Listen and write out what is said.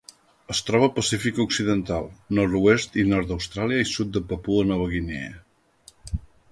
Es troba al Pacífic occidental: nord-oest i nord d'Austràlia i sud de Papua Nova Guinea.